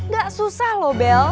gak susah loh bel